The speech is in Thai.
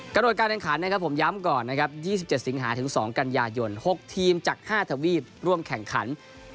โหดการแข่งขันนะครับผมย้ำก่อนนะครับ๒๗สิงหาถึง๒กันยายน๖ทีมจาก๕ทวีปร่วมแข่งขัน